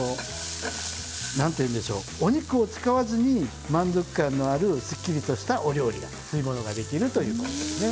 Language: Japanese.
お肉を使わずに満足感のあるすっきりとしたお料理が吸い物ができるということですね。